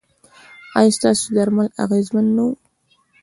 ایا ستاسو درمل اغیزمن نه وو؟